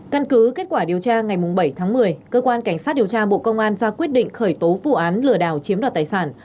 căn cứ kết quả điều tra ngày bảy tháng một mươi cơ quan cảnh sát điều tra bộ công an ra quyết định khởi tố vụ án lừa đảo chiếm đoạt tài sản